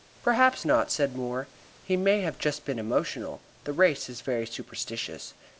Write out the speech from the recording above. "Perhaps not," said Moore. "He may have been just emotional; the race is very superstitious."